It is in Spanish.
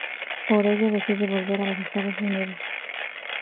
Por ello decide volver a los Estados Unidos.